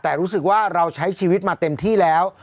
แต่รู้สึกว่าเราใช้ชีวิตมาเต็มที่แล้ว